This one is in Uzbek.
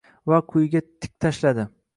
va quyiga tik tashladi.